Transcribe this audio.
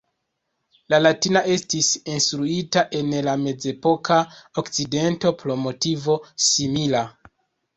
La latina estis instruita en la mezepoka Okcidento pro motivo simila.